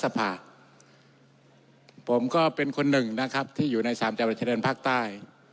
สมาชิกรัฐสภาคผมก็เป็นคนหนึ่งนะครับที่อยู่ในสามเจ้าประชาเด็นภาคใต้